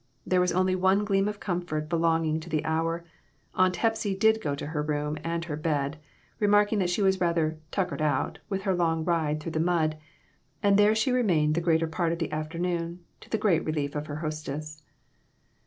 There was only one gleam of comfort belonging to the hour; Aunt Hepsy did go to her room and her bed, remark ing that she was rather "tuckered out" with her long ride through the mud, and there she remained the greater part of the afternoon, to the great relief of her hostess.